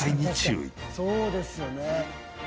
そうですよね。